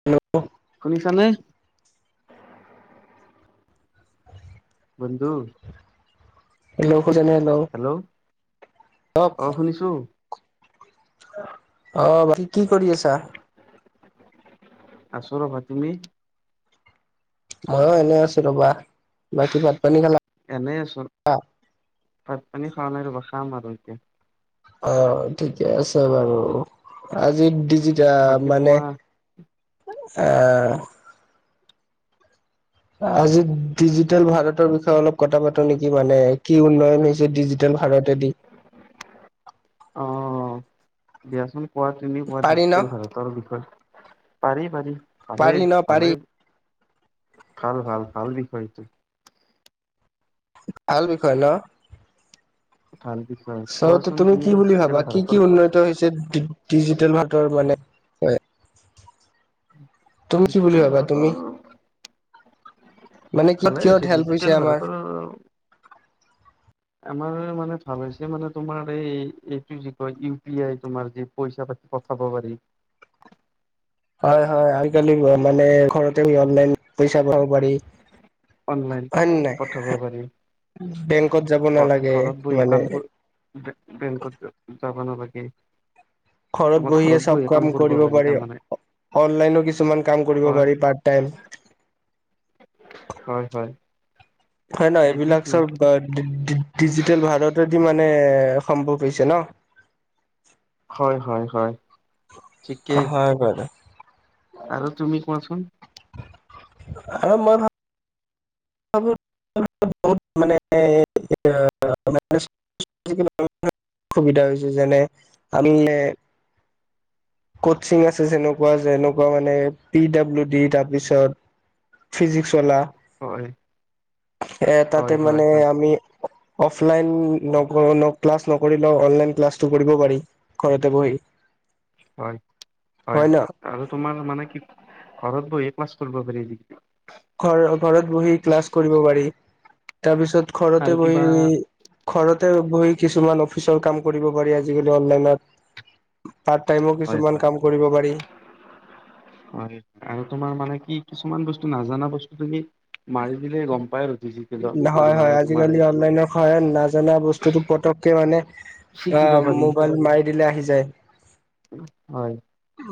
Hello? শুনিচা, নেহ? বন্ধু? ল, খোজনে লওঁ, হেল্ল' অ'। অ', বাকি কি কৰি আছা? আছোঁ ৰ'বা, তুমি? ময়ো এনে আছো ৰ'বা। বাকী ভাত পানী খালা এনেই আছোন ভাত পানী খোৱা নাই ৰ'বা। খাম আৰু কে অ', ঠিকে আছে, বাৰু আজি ডিজ য, বাকী মানে কোৱা আহ। আজি ডিজিটেল ভাৰতৰ বিষয়ে অলপ কথা পাতো নেকি, মানে, কি উন্নয়ন হৈছে ডিজিটেল ভাৰতেদি। অ', দিয়াচোন। কোৱা তুমি কোৱা পাৰি ন ডিজিটেল ভাৰতৰ বিষয়ে। পাৰি! পাৰি! পাৰি ভালেই, ন পাৰি ভালেই। ভাল, ভাল, ভাল বিষয়টো। ভাল বিষয় ন? ভাল বিষয় চ! ত কোৱাচোন তুমি কি বুলি ডিজিটেল ভাবা কি, কি ভাৰতৰ উন্নত হৈছে ডিজিটেল ভাৰতৰ মানে। হয়! তুমি কি বুলি ডিজিটেল ভাবা ভাৰতৰ তুমি মানে কিহত ভালে কিহত হৈছে হেল্প ডিজিটেল আমাৰ ভাৰতৰ আমাৰ মানে ভাল হৈছে মানে তোমাৰ, এই এইটো য কয় ইউ পি আই তোমাৰ যে পইচা পাতি পঠাব পাৰি। হয়! হয়! আজ কালি মানে ঘৰতে অনলাইন পইচা পাব পাৰি। অনলাইন হয় নে নাই? পঠাব পাৰি, বেংকত যাব ঘ নালাগে ঘৰত বহি মানে একাউণ্টত বেংকত যাব নালাগে। উম! ঘৰত বহিয়ে চব কাম কৰিব পাৰি, অনলাইনো কিছুমান কাম কৰিব হয় পাৰি পাৰ্ত টাইম। হয়! হয়! [inaudible] সম্ভৱ এইটোৱেইতো হৈছে ন? হয়! হয়! হয়! ঠিকেই হয়! ব আৰু তুমি কোৱাচোন? আৰু মই ভাবো বহুত মানে সুবিধা হৈছে যেনে আনিলে কচিং আছে যেনেকুৱা, যেনেকুৱা মানে পি ডাব্লিউ ডি তাৰপিছত ফিজিক্স ৱালা। হয়! এ তাতে হয় হয় মানে হয় আমি অফলাইন ক্লাছ নকৰিলেও, অনলাইন ক্লাছটো কৰিব পাৰি ঘৰতে বহি। হয়! হয়! আৰু তোমাৰ মানে কি ঘৰত ববহি ক্লাছ কৰিব পাৰি যি ঘৰ ঘৰত বহি ক্লাছ কৰিব পাৰি তাৰপিছত, আৰু ঘৰতে কিবা বহি ঘৰতে বহি কিছুমান অফিচৰ কাম কৰিব পাৰি, আজিকালি অনলাইনত। পাৰ্ট টাইমো হয়! কিছুমান কাম কৰিব পাৰি আৰু তোমাৰ মানে কি কিছুমান বস্তু নাজানা বস্তু তুমি মাৰি দিলে গম পাই আৰু ডিজিটেলত হয় মানে হয় তোমাৰ আজিকালি অনলাইনৰ স নাজানা বস্তুতটো পতকে মানে [unintelligible] শিকিব আহ পাৰি মোবাইল মাৰি দিলে আহি যায় হয়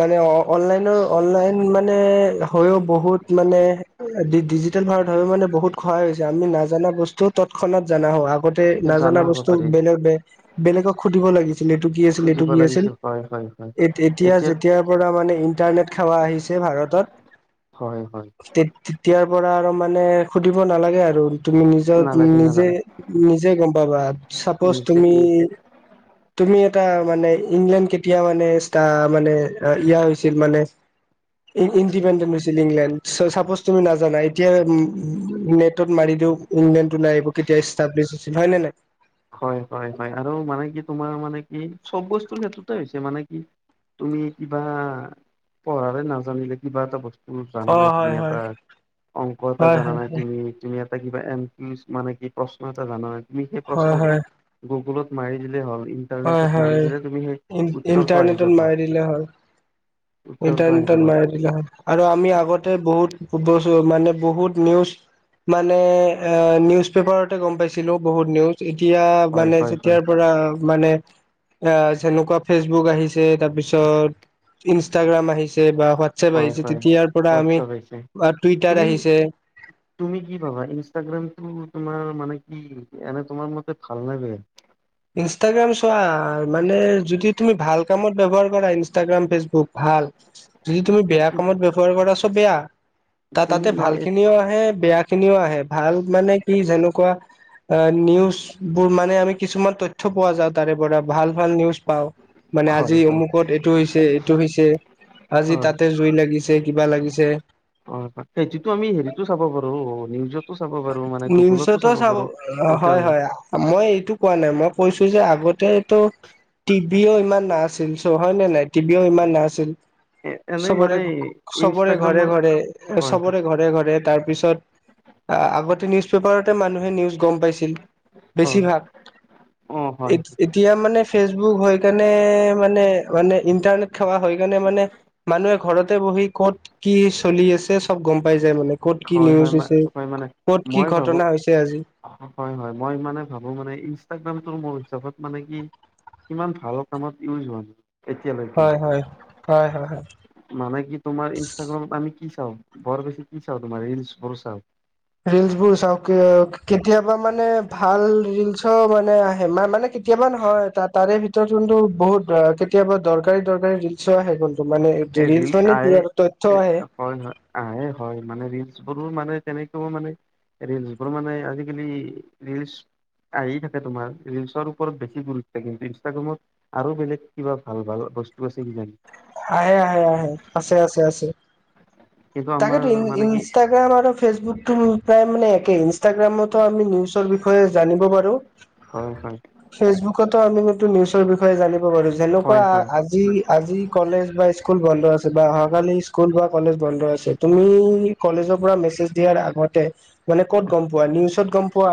মানে অ অনলাইনৰ অনলাইন মান মানে হৈও বহুত মানে ডিজিটেল ভাৰত হৈও মানে বহুত সহায় হৈছে আমি নাজানা বস্তু ত খনত জনা হোৱা আগতে জানা নাজানা হ'ব বস্তু পাৰি বেলেগে বেলেগক সুধিব লাগিছিল এইটো কি আছিল এইটো খুজিব কি আছিল লাগিছিল হয় হয় হয় এত এত এতিয়া যেতিয়া পৰা মানে ইণ্টাৰনেট সেৱা আহিছে ভাৰতৰ, হয় হয় তেত তেতিয়া এতিয়াৰ পৰা আৰু মানে সুধিব নালাগে আৰু তুমি নিজৰ নালাগে নিজে, নালাগে নিজে গম পাবা চাপ'জ নিজে তুমি তুমি এটা মানে ইংলেণ্ড কেতিয়া মানে তা মানে ইয়া হৈছিল মানে ইণ্ডিপেণ্ডেণ্ট হৈছিল ইংলেণ্ড চাপজ তুমি নাজানা এতিয়া নেটত মাৰি দিও ইংলেণ্ড নাই একো কেতিয়া এষ্টাব্লিচ [unintelligible] হয়নে নাই? হয় হয় হয় আৰু মানে কি তোমাৰ মানে কি চব বস্তুৰ ক্ষেত্ৰতে হৈছে মানে কি, তুমি কিবা পঢ়াৰে নাজানিলে কিবা এটা বস্তু জানা অ নাই তুমি হয় এটা হয় অংক এটা হয় জানা হয় নাই হয়। তুমি তুমি এটা এ কিবা এন মানে কি প্ৰশ্ন এটা জানা নাই তুমি হয় আকৌ হয় গুগলত মাৰি হ'ল হয় ইন্টাৰনেট মাৰি হয় দিলে তুমি সেই উত্তৰটো আহি ইণ্টাৰনেটত যাব মাৰি দিলে হয়। উত্তৰটো আহি যাব ইণ্টাৰনেটত মাৰি দিলা হয় আৰু আমি আগতে বহুত বস্তু মানে বহুত নিউজ মানে এ নিউজ পেপাৰতে গম পাইছিলো বহুত নিউজ এতিয়া হয় মানে হয় হয় যেতিয়াৰ পৰা মানে এ যেনেকুৱা ফেচবুক আহিছে তাৰপিছত ইনষ্টাগ্ৰাম আহিছে বা হোৱাটছএপ হয় আহিছে হয় তেতিয়াৰ পৰা হোৱাটছআপ আহিছে আমি টুইটাৰ তুমি আহিছে তুমি কি ভাবা ইনষ্টাগ্ৰামটো তোমাৰ মানে কি এনে তোমাৰ মতে ভাল নে বেয়া? ইনষ্টাগ্ৰাম চোৱা মানে যদি তুমি ভাল কামত ব্যৱহাৰ কৰা ইনষ্টাগ্ৰাম ফেচবুক, ভাল যদি তুমি বেয়া কি কামত ব্যৱহাৰ কৰা ত' বেয়া ত তুমি তাতে ন এ- ভালখিনিও আহে বেয়াখিনিও আহে ভাল মানে কি যেনেকুৱা নিউজবোৰ মানে আমি কিছুমান তথ্য পোৱা যাওক তাৰে পৰা ভাল ভাল নিউজ পাও, মানে হয় আজি হয়। অমুকত এইটো হৈছে এইটো হৈছে আজি হয় তাতে জুই লাগিছে কিবা লাগিছে। হয় হয় সেইটোতো আমি হেৰিতো চাব পাৰো নিউজতো চাব পাৰো মানে গুগলতো নিউজতো চাব, পাৰো। এতিয়া হয় হয়, মই এইটো কোৱা নাই, মই কৈছোঁ যে আগত এইটো টিভিও ইমান নাছিল চ হয় নে নাই টিভিও ইমান নাছিল। এ এনেই চবৰে, মানে চবৰে ইনষ্টাগ্ৰামৰ ঘৰে-ঘৰে হয় হয় চবৰে ঘৰে-ঘৰে তাৰ পিছত আগতে নিউজ পেপাৰতে মানুহ হয় নিউজ গম পাইছিল, হয় বেছিভাগ অ হয় এতি এতিয়া মানে ফেচবুক হৈ কাৰণে মানে- মানে ইণ্টাৰনেট সেৱা হৈ কাৰনে মানে মানুহে ঘৰতে বহি ক'ত কি চলি আছে, চব গম পাই যায় মানে ক'ত কি হয় হয় নিউজ মা- হৈছে। হয় মানে ক'ত কি মই ভাবো, ঘটনা হৈছে আজি হয় হয়, মই মানে ভাবো মানে ইনষ্টগ্ৰামটো মোৰ হিচাপত মানে কি কিমান ভালৰ কামত ইউজ হয়। এতিয়ালৈকে, হয় হয় হয় হয় হয় মানে কি তোমাৰ ইনষ্টাগ্ৰামত আমি কি বৰ বেছি কি চাওঁ তোমাৰ, ৰীলছ বোৰ চাওঁ। ৰিলচ বোৰ চাওক কেতিয়াবা মানে ভাল ৰিলচৰ মানে [unintelligible] আহে, মা মানে কি কেতিয়াবা নহয়, টা তাৰে ভিত তাৰ যোনটো বহুত দৰ কেতিয়াবা দৰকাৰী- দৰকাৰী ৰিল চোৱা আহে গ'ল। এ ৰিলচ আহে, আহে হয়-হয় আহে হয়, মানে ৰিলচ ধৰো মানে তেনেকুৱা মানে ৰিলচ বোৰ মানে আজিকালি ৰিলচ আহি থাকে তোমাৰ, ৰিলচৰ ওপৰত বেছি গুৰুত্ব কিন্তু ইনষ্টাগ্ৰামত আৰু বেলেগ কিবা ভাল-ভাল বস্তু আছে কিজানি। আহে আহে-আহে, আছে আছে- আছে। কিন্তু আমাৰ তাকেতো ইন মানে কি ইনষ্টাগ্ৰাম আৰু ফেচবুক টো প্ৰায় মানে একে, ইঞ্চ গ্ৰামত আমি নিউজৰ বিষয়ে জানিব পাৰো, হয় হয় ফেচবুকত ত' আমি এইটো [unintelligible] বিষয়ে জানিব পাৰো, হয় যেনেকুৱা হয় হয় আজি- আজি এইবাৰ স্কুল বন্ধ আছে বা অহাকালি স্কুল বা কলেজ বন্ধ আছে, তুমি কলেজৰ পৰা মেছেজ দিয়াৰ আগতে মানে ক'ত গম পোৱা নিউজত গম পোৱা,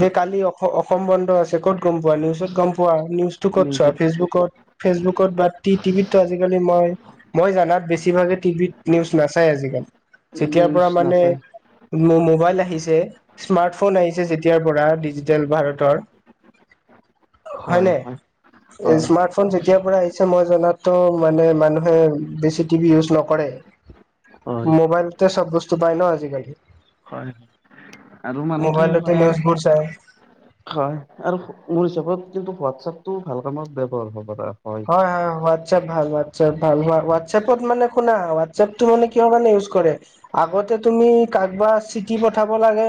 দে কালি অ অস সম্বন্ধ আছে ক'ত গম পোৱা নিউজত গম পোৱা নিউজটো ক'ত চোৱা নিউজত ফেচবুকত-ফেচবুকত বাত টি টিভিতো আজিকালি মই-মই জানাত বেছিভাগে টিভিত নিউজ নাচাই আজিকালি, যেতিয়াৰ নিউজ পৰা মানে নাচাই মো মোবাইল আহিছে, স্মাৰ্টফোন আহিছে যেতিয়াৰ পৰা ডিজিটেল ভাৰতৰ হয় নে, এই হয় স্মাৰ্ট ফোন যেতিয়াৰ পৰা আহিছে মই জনাত ত' মানে মানুহে বেছি টিভি ইউজ নকৰে, হয় মোবাইলতে চব বস্তু পায় ন আজিকালি। হয় আৰু মানে কি মোবাইলতে মানে আৰু নিউজবোৰ চাই। হয় আৰু মোৰ হিচাপত কিন্তু হোৱাটছএপ টো ভাল কামত ব্যৱহাৰ হ'ব দা হয় হয় হোৱাটছআপ ভাল এ ভাল হোৱাটএপত মানে শুনা হোৱাটএপ মানে কি কাৰে ইউজ কৰে আগতে তুমি কাৰবা চিটি পঠাব লাগে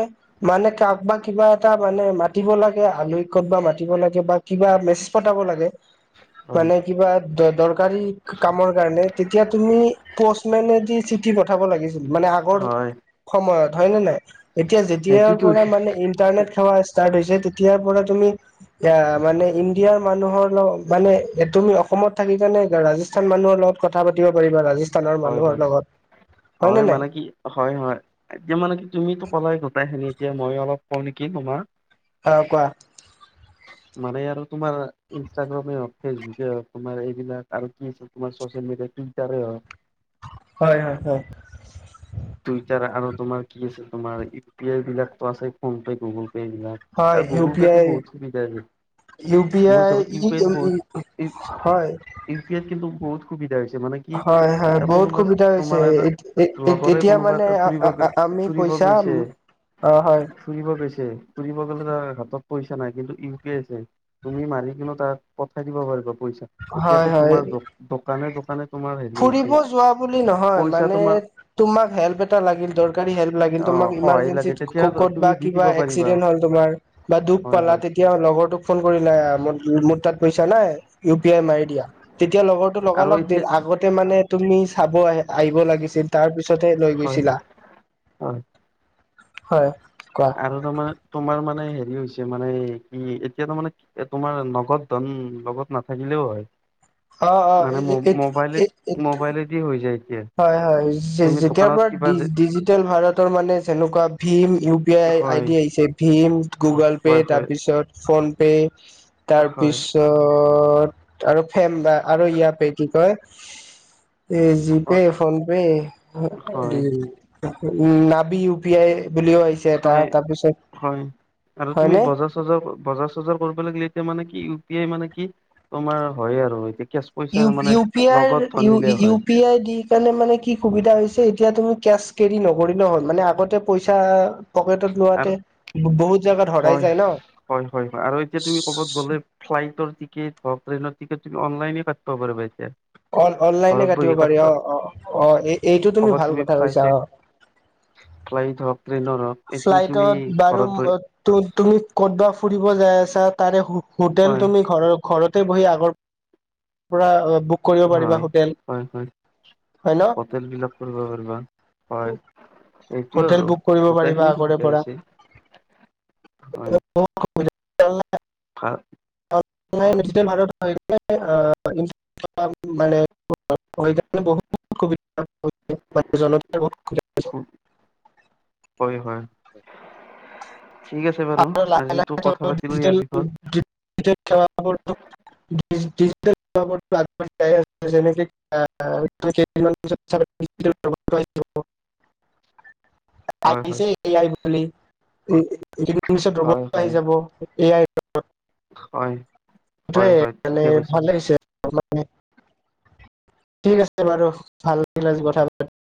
মানে কাৰবা কিবা এটা মানে মাতি লাগে আলহ কব মাতি লাগে বা কিবা মেজ প লাগে হয়। মানে কিবা দৰকাৰ কামৰ কাৰণে তেতিয়া তুমি পষ্টমেদি চিঠি পঠাব লাগিছিল মানে আগৰ হয় সময়ত হয় ন নাই এতিয়া যেতিয়াৰ সেইটোতো পৰা মানে ইণ্টাৰনেট তেতিয়াৰ পৰা তুমি মানে ইিয়াৰ মানু মানে তুমি অসমত থাকি কেনেে ৰাজস্থান মানুহৰ লগত কথা পাতিব পাৰিবা ৰাজস্থানৰ হয় মানুহৰ হয় লগত নে হয় নাই মানে কি হয় হয় এতিয়া মানে কি তুমি পলাই গোটাই খিনি এতিয়া মই অলপ কম নেকি তোমাৰ খ কোৱা মানে আৰু তোমাৰ ইনষ্টাগ্ৰামেই হওক ফেচবুকে হওকমাৰ এইবিলাক আৰু কিাৰ চচিয় মিডিয় টুইটাৰ হওক হয় হয় হয় টুইটাৰ আৰু তোমাৰ কি আছে তোমাৰ ইউ পি আই বিলাকো আছে ফোন পে গুগল পে হয় ইউ গুগল পি পে'টো আই বহুত সুবিধা ইউ পি আ মোৰ হিচাপত ই পি আইত আই বহুত হয় ই পি আইত কিন্তু বুতুবিধা হৈছে মানে কি হয় হয় এ বহুত কোনোবা সুবিধা হৈছে তোমাৰ এটা এ এতিয়া [inaudible] [inaudible] [inaudible] পইচা মানে আমি পইচা অ হয় নাই কিন্তু ইউ পি আছে তুমি মাৰি কিিনু তাত পঠাই দিব পাৰিবা ইা হয় এতিয়াাতো হয় তোমাৰ দোকানে দোকানে তোমাৰ হেৰি ফুৰিব হৈছে যোৱা বুলি নহয় পইচা মানে তোমাৰ তোমাক হেল্প এটা লাগিল দৰকাৰী হেল্প লাগিল অ তোমাক সহায় লাগে ইমাৰ্জেঞ্চিত তেতিয়া ক'ত তুমি বা দি দিব কিবা পাৰিবা এক্সিডেন্ট হল তুমাৰ বা দুখ হয় পালা হয় তেতিয়া লগৰটোক ফোন কৰিলা পা নাই ম দা এতিয়া লগৰটো আৰু লগালগ দিল এতিয়া আগতে মানে তুমি চাব আহ আহিব লাগিছিল তাৰ পিছত পছতেে লৈ হয় গৈছিলা হয় হয় কোৱা আৰু তোমাৰ তোমাৰ মানে হেৰি হৈছে মানে কি এতিয়া তাৰ মানে তোমাৰ নগদ ধন লগত নাথাকিলেও হয় আহ অ মানে এ মোবাইলে মোবাইলেদি হৈ যায় এতিয়া হয়', হয', তুমি যেতিয়াৰ দোকানত পৰা কিবা যে ডিজিটেল ভাৰতৰ মানে যেনেকুৱা ভিম ইউ পি আই আই হয় ডি আহিছে ভীম হয় গুগল হয় পে' হয় তাৰপিছত। PhonePe. তাৰ হয় পিছত অ আৰু ফেন আৰু ইয়াতে কি কয়। এই যি পে ফোন পে। হয় উম নাবি ইউ পি আই বুলিও আহিছে এটা হয়', তাৰপিছত হয', আৰু তুমি হয়নে বজাৰ চজাৰ বজাৰ চজাৰ কৰিব লাগিলে এতিয়া মানে কি এমানে কি তোমাৰ হয় আৰু এতিয়া কেচ পইচা মানে ইউ পি আই নগদ ধন দিলে ইউ হয় পি আই দি কাৰণে মানে কি সুবিধা হৈছে এতিয়া তুমি কেচ কেৰি নকৰিলেও হ'ল মানে আগতে পইচা পকেটত লোৱাতে আৰু বহুত জেগাত হেৰাই হয় যায় ন। হয় হয় হয় আৰু এতিয়া তুমি ক'বাত গ'লে ফ্লাইটৰ টিকেট হক ট্ৰেইনৰ টিকেট তুমি অনলাইননে কাট ব পাৰব এতিয়া। অ', অনলাইনে ঘৰত কাটিব বহি পাৰি অ', অ', অ', এই এইটো তুমি ক'বাত ভাল কথা কৈছা ফ্লাইটৰ অ। ফ্লাইট হওক ট্ৰেইনৰ হওক এইটো তুমি ফ্লাইটত বাৰু ঘৰত বহি তুমি ক'তবা ফুৰিব যায় চা তাৰে হোটেল হয় তুমি ঘৰৰ ঘৰতে বহি আগৰ পৰা অলপ হয়, হয় হয় হয় ন হোটেল বিলাক কৰিব পাৰিবা হয় এইটো হোটেল আৰু বুক কৰিব গোটেই পাৰিবা আগৰে পৰা [inaudible] হয় ভাল ডিজিটেল ভাৰত [unintelligible] [unintelligible] [unintelligible] বাৰু আৰু লাহে আজিতো কথা লাহে পাতিলো ডিজিটেল ইয়াৰ বিষয়ত যেনেকে কেইদিন মান পাছত [unintelligible] [unintelligible] হয় হয় আহিছই এই আই বুলি। [unintelligible] ইংলিছত হয় [unintelligible] আহি হয় যাব এ আই বুলি। [unintelligible] হয়। হয় সেটোয়ে হয় মানে ঠিকে কৈছে ভাল লাগিছে অলপ ঠিক আছে বাৰু, ভাল লাগিলে আজি কথা পাতি।